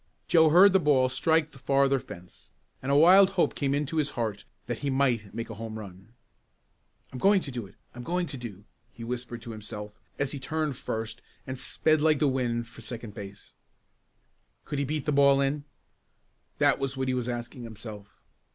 Joe heard the ball strike the farther fence and a wild hope came into his heart that he might make a home run. "I'm going to do it! I'm going to do!" he whispered to himself as he turned first and sped like the wind for second base. Could he beat the ball in? That was what he was asking himself.